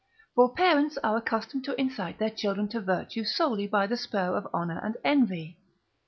For parents are accustomed to incite their children to virtue solely by the spur of honour and envy.